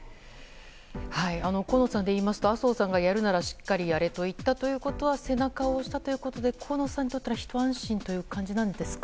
河野さんでいいますと麻生さんがやるならしっかりやれと言ったということは背中を押したということで河野さんにとったらひと安心という感じですか？